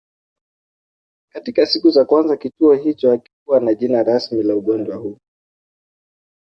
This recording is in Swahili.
Katika siku za kwanza kituo hicho hakikuwa na jina rasmi la ugonjwa huu